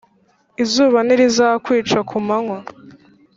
Izuba ntirizakwica kumanywa